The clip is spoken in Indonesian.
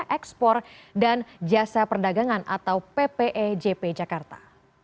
ekspor dan jasa perdagangan atau ppejp jakarta